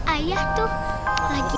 ayah tuh lagi